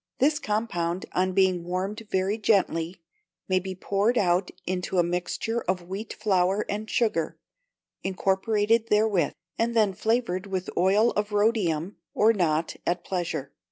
This compound, on being warmed very gently, may be poured out into a mixture of wheat flour and sugar, incorporated therewith, and then flavoured with oil of rhodium, or not, at pleasure.